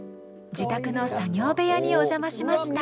自宅の作業部屋にお邪魔しました。